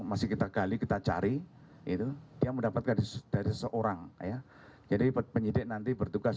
masih kita gali kita cari itu dia mendapatkan dari seorang ya jadi penyidik nanti bertugas